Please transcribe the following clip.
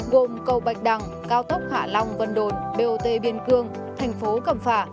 gồm cầu bạch đằng cao tốc hạ long vân đồn bot biên cương thành phố cầm phả